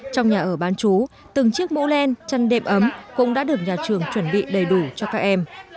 trong nhà ở bán chú từng chiếc mũ len chăn đệm ấm cũng đã được nhà trường chuẩn bị đầy đủ cho các em